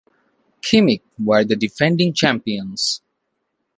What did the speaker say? Khimik were the defending champions.